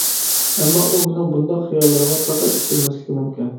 ئەمما ئۇ مېنىڭ بۇنداق خىياللىرىمغا پەقەت ئىشەنمەسلىكى مۇمكىن.